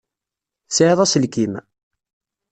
Tesεiḍ aselkim?